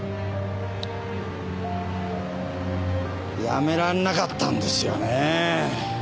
やめられなかったんですよねぇ。